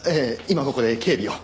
今ここで警備を。